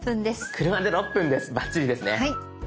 車で６分ですバッチリですね。